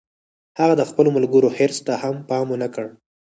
هغه د خپلو ملګرو حرص ته هم پام و نه کړ